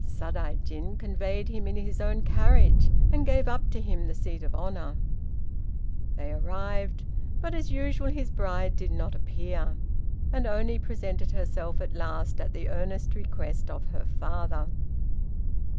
Sadaijin conveyed him in his own carriage, and gave up to him the seat of honor. They arrived; but, as usual, his bride did not appear, and only presented herself at last at the earnest request of her father.